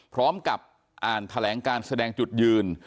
พร้อมกับอ่านแถลงการแสดงจุดยืน